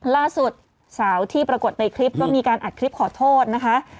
ล่าสุดสาวที่ปรากฏในคลิปก็มีการอัดคลิปขอโทษนะคะ